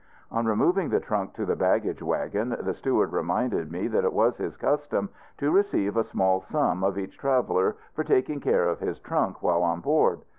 On removing the trunk to the baggage wagon, the steward reminded me that it was his custom to receive a small sum of each traveler for taking care of his trunk while on board.